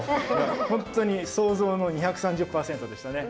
本当に想像の２３０％でしたね。